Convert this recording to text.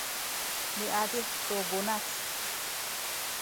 miazih tu bunac